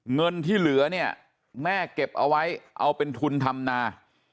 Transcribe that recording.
เงินที่เหลือเนี่ยแม่เก็บเอาไว้เอาเป็นทุนทำนา